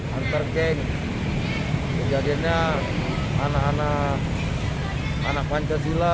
pertarikan kejadiannya anak anak pancasila